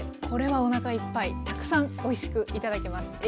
これはおなかいっぱいたくさんおいしく頂けます。